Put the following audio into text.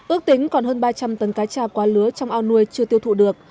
ước tính còn hơn ba trăm linh tấn cá cha quá lứa trong ao nuôi chưa tiêu thụ được